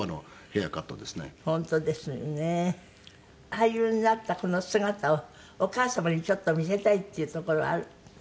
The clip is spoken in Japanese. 俳優になったこの姿をお母様にちょっと見せたいっていうところはある？